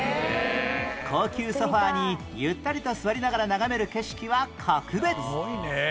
高級ソファにゆったりと座りながら眺める景色は格別